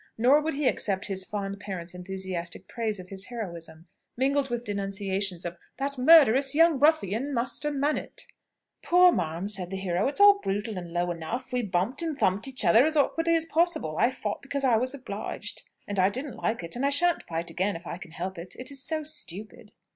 Nor would he accept his fond parent's enthusiastic praise of his heroism, mingled with denunciations of "that murderous young ruffian, Master Mannit." "Pooh, ma'am," said the hero, "it's all brutal and low enough. We bumped and thumped each other as awkwardly as possible. I fought because I was obliged. And I didn't like it, and I shan't fight again if I can help it. It is so stupid!"